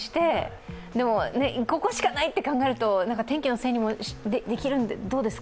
でも、ここしかないって考えると天気のせいにもできるどうですか？